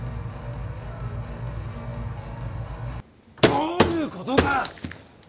どういうことだ！